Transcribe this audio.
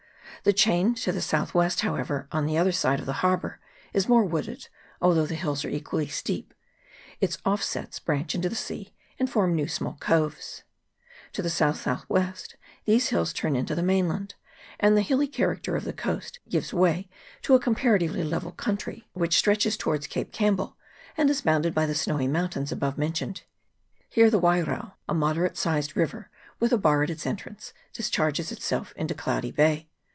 The chain to the south west, however, on the other side of the harbour, is more wooded, although the hills are equally steep ; its offsets branch into the sea, and form a few small coves. To the south south CHAP. II.] PORT UNDERWOOD. 61 west these hills turn into the mainland, and the hilly character of the coast gives way to a com paratively level country, which stretches towards Cape Campbell, and is bounded by the snowy mountains above mentioned. Here the Wairao, a moderate sized river, with a bar at its entrance, dis charges itself into Cloudy Bay.